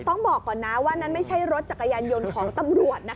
ต้องบอกก่อนนะว่านั่นไม่ใช่รถจักรยานยนต์ของตำรวจนะคะ